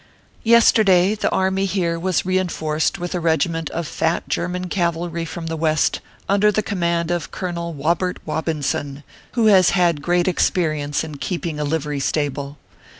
Yesterday the army here was reenforced with a regiment of fat German cavalry from the West, under the command of Colonel Wobert Wobinson, who has had great experience in keeping a livery stable.